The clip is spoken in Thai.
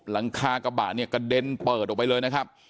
หลังคากระบะเนี่ยกระเด็นเปิดออกไปเลยนะครับ